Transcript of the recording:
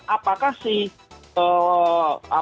apakah si pse ini yang menentukan